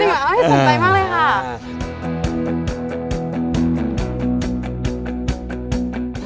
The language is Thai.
ครับสนใจมากเลยค่ะ